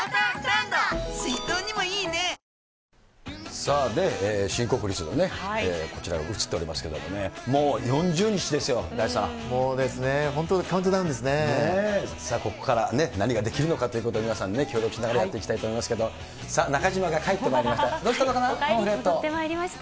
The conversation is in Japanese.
さあ、新国立のね、こちら、映っておりますけどね、ねえ本当、カウントダウンでここから、何ができるのかということを、皆さんね、協力しながらやっていきたいと思いますけど、中島が帰ってまいりました。